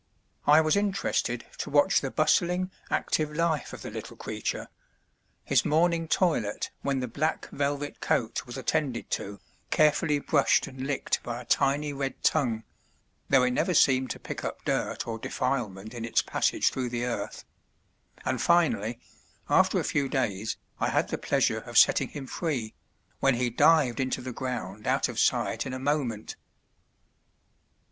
I was interested to watch the bustling, active life of the little creature; his morning toilet when the black velvet coat was attended to, carefully brushed and licked by a tiny red tongue (though it never seemed to pick up dirt or defilement in its passage through the earth) and finally, after a few days, I had the pleasure of setting him free, when he dived into the ground out of sight in a moment.